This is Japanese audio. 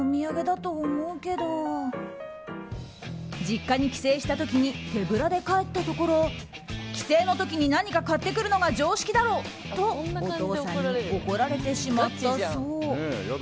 実家に帰省した時に手ぶらで帰ったところ帰省の時に何か買ってくるのが常識だろ！とお父さんに怒られてしまったそう。